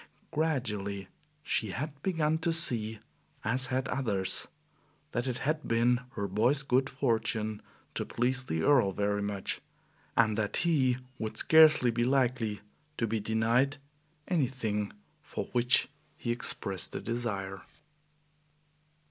Gradually she had begun to see, as had others, that it had been her boy's good fortune to please the Earl very much, and that he would scarcely be likely to be denied anything for which he expressed a desire.